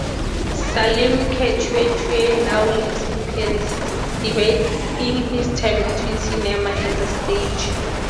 Salim Kechiouche now lives in Paris, dividing his time between cinema and the stage.